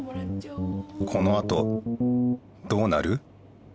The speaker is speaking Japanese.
このあとどうなる？